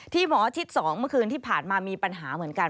หมอชิด๒เมื่อคืนที่ผ่านมามีปัญหาเหมือนกัน